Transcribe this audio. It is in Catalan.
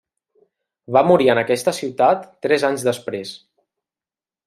Va morir en aquesta ciutat tres anys després.